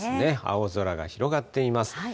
青空が広がっています。